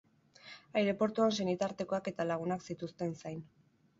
Aireportuan senitartekoak eta lagunak zituzten zain.